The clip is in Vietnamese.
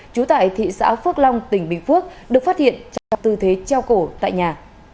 trú tại thị xã phước long tỉnh bình phước được phát hiện trong tư thế treo cổ tại nhà